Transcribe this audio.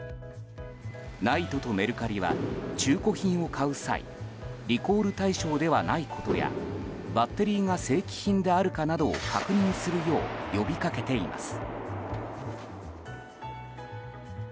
ＮＩＴＥとメルカリは中古品を買う際リコール対象ではないことやバッテリーが正規品であるかなどを確認するよう呼び掛けています。